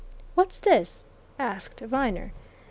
"What's this?" asked Viner.